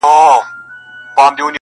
o لو مني، خداى نه مني!